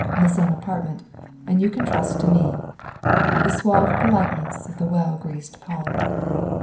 The same apartment. And you can trust to me." The suave politeness of the well greased palm.